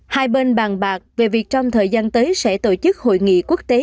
hai bên bàn bạc về việc trong thời gian tới sẽ tổ chức hội nghị quốc tế